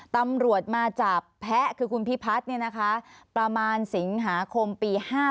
ตำรวจมาจับแพ้คือคุณพิพัฒน์ประมาณสิงหาคมปี๕๗